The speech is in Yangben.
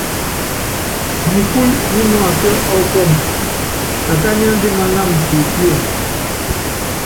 Nikúlu nínuásuɛ́ ɔkɔmbɔ, akányi andimánam siepíene.